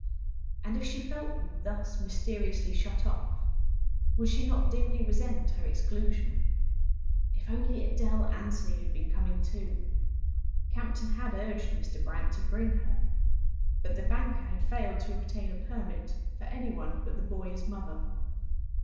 And if she felt them thus mysteriously shut off would she not dimly resent her exclusion? If only Adele Anthony had been com¬ ing too! Campton had urged Mr. Brant to bring her; but the banker had failed to obtain a permit for any one but the boy's mother.